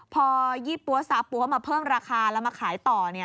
พอยี่ปั๊วซาปั๊วมาเพิ่มราคาแล้วมาขายต่อ